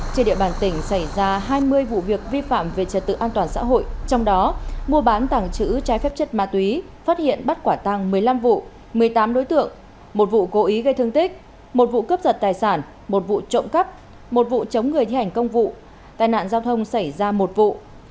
trên địa bàn tỉnh xảy ra hai mươi vụ việc vi phạm về trật tự an toàn xã hội trong đó mua bán tàng trữ trái phép chất ma túy phát hiện bắt quả tăng một mươi năm vụ một mươi tám đối tượng một vụ cố ý gây thương tích một vụ cướp giật tài sản một vụ trộm cắp một vụ chống người thi hành công vụ tai nạn giao thông xảy ra một vụ